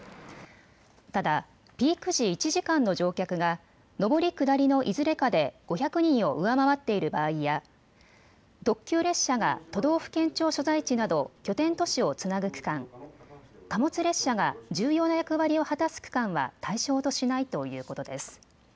ただピーク時１時間の乗客が上り下りのいずれかで５００人を上回っている場合や特急列車が都道府県庁所在地など拠点都市をつなぐ区間、貨物列車が重要な役割を果たす区間は対象としないということです。